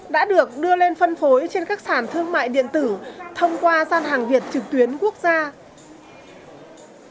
đã được đưa lên phân phối trên các sản thương mại điện tử thông qua gian hàng việt trực tuyến quốc gia